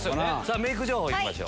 メーク情報いきましょう。